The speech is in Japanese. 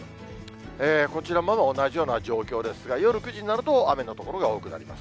こちらも同じような状況ですが、夜９時になると、雨の所が多くなります。